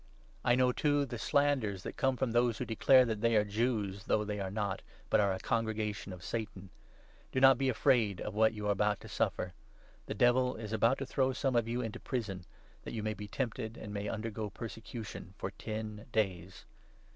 I know, too, the slanders that come from those who declare that they are Jews, though they are not, but are a Congregation of Satan. Do not be 10 afraid of what you are about to suffer. The Devil is about to throw some of you into prison, that you may be tempted, and may undergo persecution for ten days.